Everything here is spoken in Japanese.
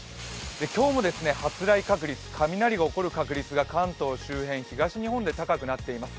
今日も発雷確率、雷が起こる確率が関東周辺、東日本で高くなっています。